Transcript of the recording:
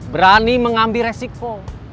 berani mengambil resiko